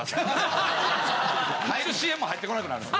入るＣＭも入ってこなくなる。